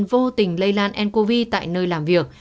vô tình lây lan ncov tại nơi làm việc